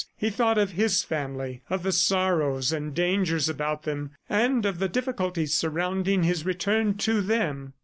He thought of his family, of the sorrows and dangers about them and of the difficulties surrounding his return to them.